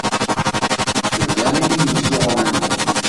Tebram i yimeẓẓuɣen-nwen.